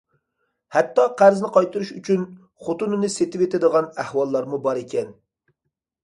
ھەتتا قەرزنى قايتۇرۇش ئۈچۈن خوتۇنىنى سېتىۋېتىدىغان ئەھۋاللارمۇ بار ئىكەن.